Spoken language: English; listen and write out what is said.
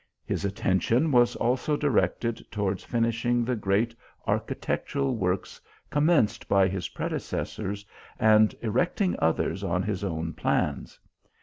His attention was also directed towards finishing the great architectural works commenced by his predecessors, and erecting others on his own plans.